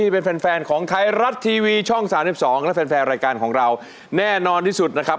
เป็นแฟนของไทยรัฐทีวีช่อง๓๒และแฟนรายการของเราแน่นอนที่สุดนะครับ